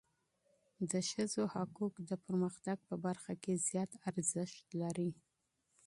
د ښځو حقوق د پرمختګ په برخه کي زیات اهمیت لري.